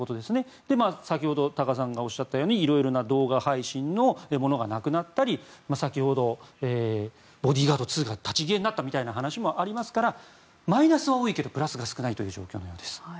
先ほど多賀さんがおっしゃったように色々な動画配信がなくなったり先ほど「ボディーガード２」が立ち消えになったみたいな話もありますからマイナスは多いけどプラスが少ないという状況のようです。